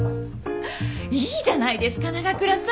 いいじゃないですか長倉さん。